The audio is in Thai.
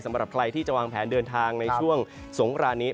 สำหรับใครที่จะวางแผนเดินทางในช่วงสงครานนี้